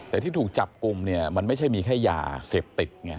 แต่ที่ถูกจับกลุ่มเนี่ยมันไม่ใช่มีแค่ยาเสพติดไง